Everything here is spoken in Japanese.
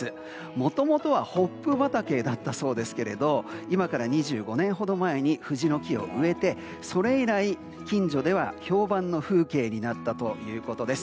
もともとはホップ畑だったそうですが今から２５年ほど前に藤の木を植えてそれ以来、近所では評判の風景になったということです。